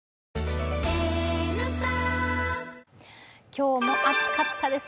今日も暑かったです。